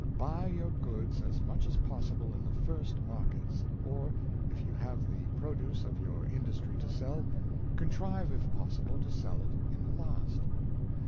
Buy your goods as much as possible in the first markets; or, if you have the produce of your industry to sell, contrive, if possible, to sell it in the last.